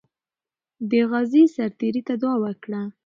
دې غازي سرتیري ته دعا وکړه.